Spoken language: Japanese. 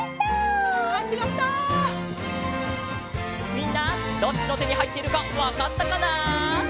みんなどっちのてにはいっているかわかったかな？